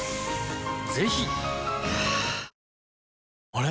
あれ？